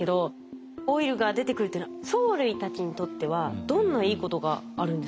オイルが出てくるっていうのは藻類たちにとってはどんないいことがあるんですかね？